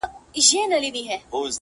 هسي نوم د مرګي بد دی خبر نه دي عالمونه.!